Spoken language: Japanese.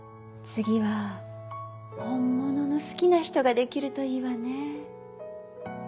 次は本物の好きな人ができるといいわねぇ。